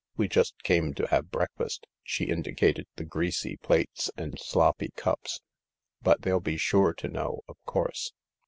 We just came to have breakfast "—she indicated the greasy plates and sloppy cups. " But they'll be sure to know, of course."